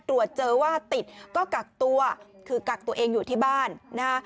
ตรวจเจอว่าติดก็กักตัวคือกักตัวเองอยู่ที่บ้านนะฮะ